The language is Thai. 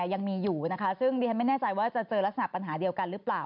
ยังมีอยู่นะคะซึ่งดิฉันไม่แน่ใจว่าจะเจอลักษณะปัญหาเดียวกันหรือเปล่า